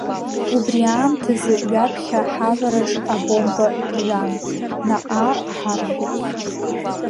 Убри аамҭазы ҩаԥхьа ҳавараҿ абомба ԥжәан, наҟ-ааҟ ҳаршәит.